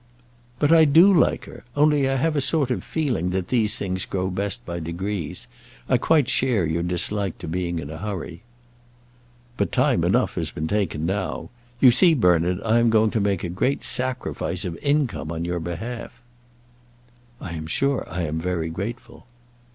"But I do like her; only I have a sort of feeling that these things grow best by degrees. I quite share your dislike to being in a hurry." "But time enough has been taken now. You see, Bernard, I am going to make a great sacrifice of income on your behalf." "I am sure I am very grateful."